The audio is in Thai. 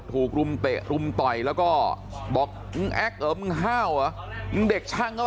รุมเตะรุมต่อยแล้วก็บอกมึงแอ๊กเหรอมึงห้าวเหรอมึงเด็กช่างเขา